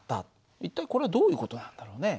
一体これはどういう事なんだろうね？